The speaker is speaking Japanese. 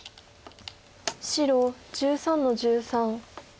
白１３の十三。